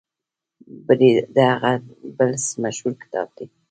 بریده د هغه بل مشهور کتاب دی.